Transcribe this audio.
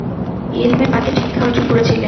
ইলমে বাতিন শিক্ষা অর্জন করেছিলেন ।